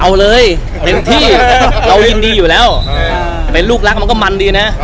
เอาเลยเต็มที่เรายินดีอยู่แล้วเป็นลูกรักมันก็มันดีนะ